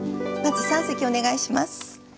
まず三席お願いします。